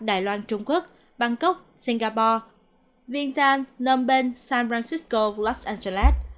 đài loan trung quốc bangkok singapore vientiane nông bên san francisco los angeles